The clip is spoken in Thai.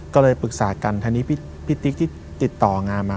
ก็เลยปรึกษากันทีนี้พี่ติ๊กที่ติดต่องานมา